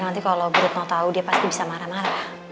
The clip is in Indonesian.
nanti kalau brutno tau dia pasti bisa marah marah